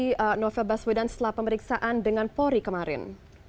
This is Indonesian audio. bagaimana kondisi novel baswedan setelah pemeriksaan dengan polri kemarin